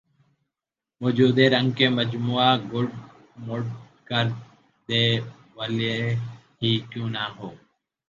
وجود رنگ کے مجموعہ گڈ مڈ کر د والے ہی کیوں نہ ہوں